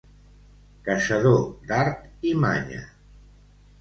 Caçador d'art i manya.